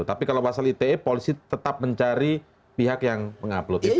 tapi kalau pasal ite polisi tetap mencari pihak yang mengupload itu